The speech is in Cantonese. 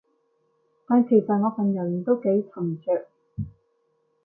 但其實我份人都幾沉着